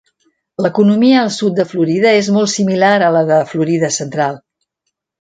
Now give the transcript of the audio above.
L'economia al sud de Florida és molt similar a la de Florida central.